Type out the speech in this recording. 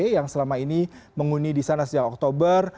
yang selama ini menguni di sana sejak oktober